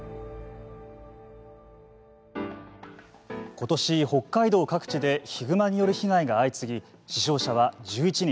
ことし北海道各地でヒグマによる被害が相次ぎ死傷者は１１人。